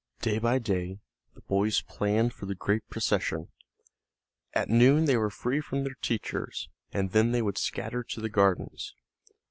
Day by day the boys planned for the great procession. At noon they were free from their teachers, and then they would scatter to the gardens.